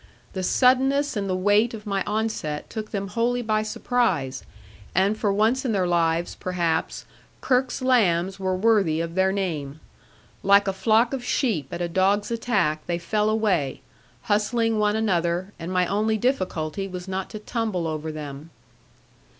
The suddenness and the weight of my onset took them wholly by surprise; and for once in their lives, perhaps, Kirke's lambs were worthy of their name. Like a flock of sheep at a dog's attack they fell away, hustling one another, and my only difficulty was not to tumble over them.